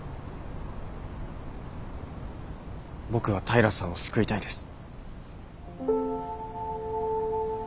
僕は平さんを救いたいです。